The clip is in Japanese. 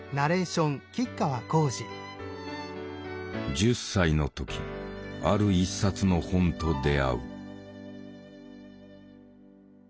１０歳の時ある一冊の本と出会う。